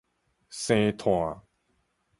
生炭